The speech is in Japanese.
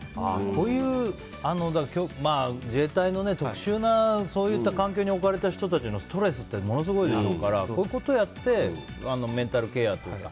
こういう自衛隊の特殊なそういった環境に置かれた人たちのストレスってものすごいでしょうからこういうことをやってメンタルケアというか。